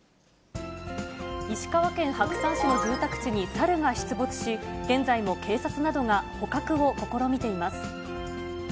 石川県白山市の住宅地にサルが出没し、現在も警察などが捕獲を試みています。